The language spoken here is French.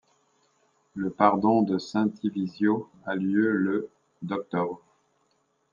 Le pardon de saint Thivisiau a lieu le d'octobre.